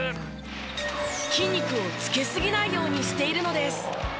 筋肉をつけすぎないようにしているのです。